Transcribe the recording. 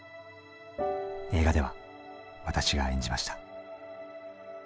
映画では私が演じました。